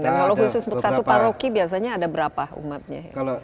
kalau khusus untuk satu paroki biasanya ada berapa umatnya